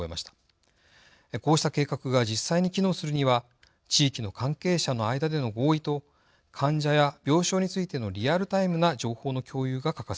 こうした計画が実際に機能するには地域の関係者の間での合意と患者や病床についてのリアルタイムな情報の共有が欠かせません。